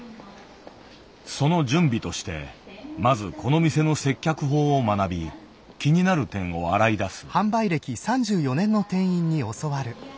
その準備としてまずこの店の接客法を学び気になる点を洗い出す。